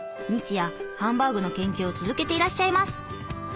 日夜ハンバーグの研究を続けていらっしゃいます。